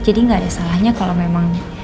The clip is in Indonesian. jadi gak ada salahnya kalau memang